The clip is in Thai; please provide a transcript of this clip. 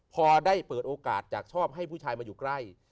พอได้เปิดโอกาสจากชอบให้ผู้ชายมาอยู่ใกล้